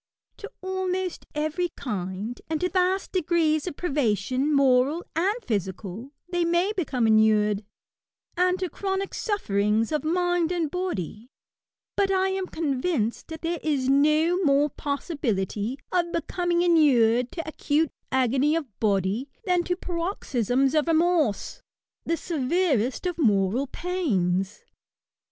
To almost every kind, and to vast degrees of privation, moral and physical, they may become inured ; and to chronic sufferings of mind find body; but I am convinced that there is no h2 148 ESflAYS. more possibility of becoming inured to acute ^onj of body than to paroxysms of remorse— the severest | of moral pains.